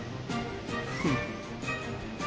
フッ。